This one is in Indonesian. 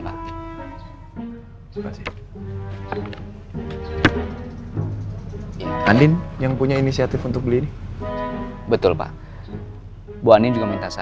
minum dulu ya mas